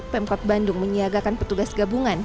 pemkot bandung menyiagakan petugas gabungan